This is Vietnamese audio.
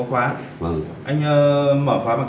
cầm tay kéo tay đẩy